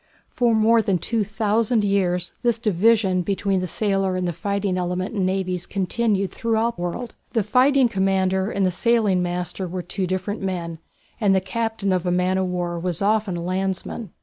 For more than two thousand years this division between the sailor and the fighting element in navies continued throughout the world. The fighting commander and the sailing master were two different men, and the captain of a man of war was often a landsman.